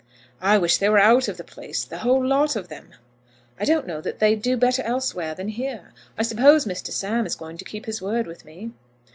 "I wish they were out of the place, the whole lot of them." "I don't know that they'd do better elsewhere than here. I suppose Mr. Sam is going to keep his word with me."